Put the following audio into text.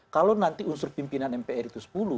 kalau nanti unsur pimpinan mpr itu sepuluh